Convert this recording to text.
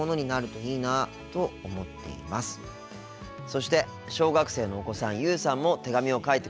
そして小学生のお子さん優羽さんも手紙を書いてくれました。